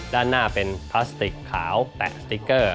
ด้านหน้าเป็นพลาสติกขาวแปะสติ๊กเกอร์